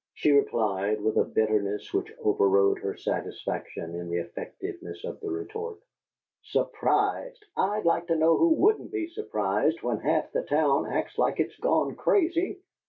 she replied, with a bitterness which overrode her satisfaction in the effectiveness of the retort. "Surprised! I'd like to know who wouldn't be surprised when half the town acts like it's gone crazy.